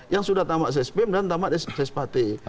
yang sudah tamat ses pim dan tamat ses pati